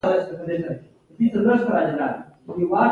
توییږي او بیا ځپلې وده کوي